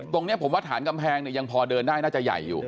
ตรงนี้ผมว่าฐานกำแพงเนี่ยยังพอเดินได้น่าจะใหญ่อยู่